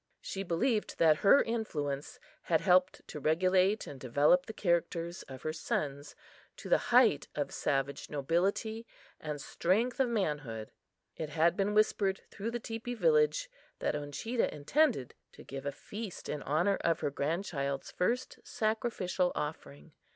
She believed that her influence had helped to regulate and develop the characters of her sons to the height of savage nobility and strength of manhood. It had been whispered through the teepee village that Uncheedah intended to give a feast in honor of her grandchild's first sacrificial offering.